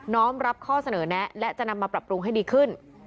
้อมรับข้อเสนอแนะและจะนำมาปรับปรุงให้ดีขึ้น